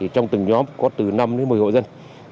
trong từng nhóm có từ năm đến một mươi hộ dân